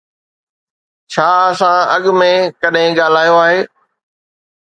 ڇا اسان اڳ ۾ ڪڏهن ڳالهايو آهي؟